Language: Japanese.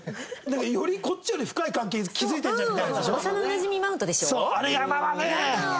よりこっちより深い関係築いてるじゃんみたいな。